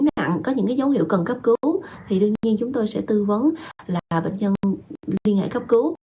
nếu nặng có những dấu hiệu cần cấp cứu thì đương nhiên chúng tôi sẽ tư vấn là bệnh nhân liên hệ cấp cứu